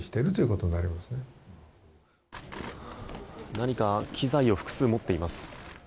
何か機材を複数持っています。